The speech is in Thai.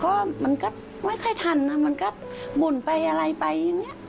ก็มันก็ไม่ค่อยทันนะมันก็บ่นไปอะไรไปอย่างนี้